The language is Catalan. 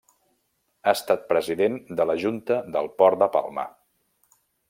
Ha estat president de la Junta del port de Palma.